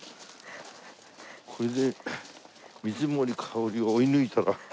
これで水森かおりを追い抜いたら。